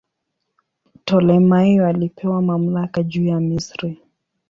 Ptolemaio alipewa mamlaka juu ya Misri.